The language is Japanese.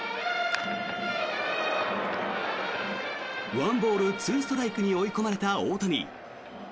１ボール２ストライクに追い込まれた大谷。